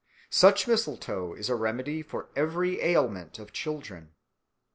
Such mistletoe is a remedy for every ailment of children."